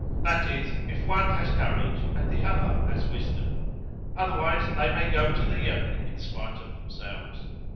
That is, if one has courage and the other has wisdom. Otherwise they may go to the yoke in spite of themselves.